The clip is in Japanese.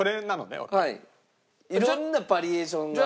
色んなバリエーションが。